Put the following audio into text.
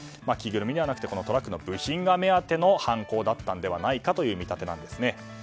着ぐるみではなくてトラックの部品が目当ての犯行だったのではないかという見立てなんですね。